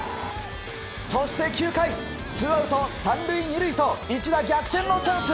そして９回ツーアウト３塁２塁と一打逆転のチャンス。